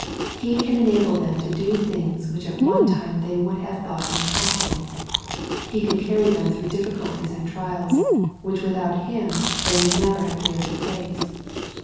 He can enable them to do things which at one time they would have thought impossible. He can carry them through difficul ties and trials, which without Him they would never have dared to face.